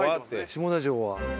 「下田城は」。